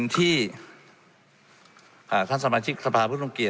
ที่ซึ่งกับช่วงนี้